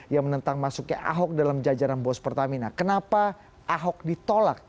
yang menentang masuknya ahok dalam jajaran bos pertamina kenapa ahok ditolak